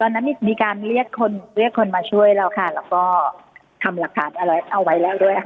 ตอนนั้นมีการเรียกคนมาช่วยเราค่ะแล้วก็ทำหลักฐานเอาไว้แล้วด้วยค่ะ